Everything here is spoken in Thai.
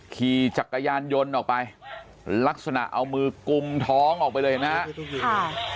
ขี่จักรยานยนต์ออกไปลักษณะเอามือกุมท้องออกไปเลยเห็นไหมฮะ